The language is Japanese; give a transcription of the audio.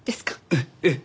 ええええ。